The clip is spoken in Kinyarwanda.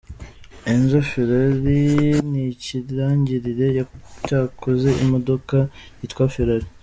Enzo Ferrari, ni ikirangirire cyakoze imodoka yitwa Ferrari.